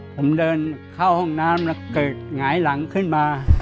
ผมเดินเข้าห้องน้ำแล้วเกิดหงายหลังขึ้นมา